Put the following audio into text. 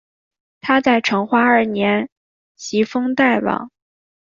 他在成化二年袭封代王。